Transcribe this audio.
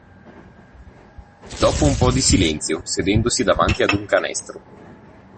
Dopo un po' di silenzio, sedendosi davanti ad un canestro.